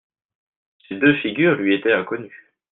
Ces deux figures lui étaient inconnues.